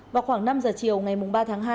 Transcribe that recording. vào khoảng năm giờ chiều ngày ba tháng hai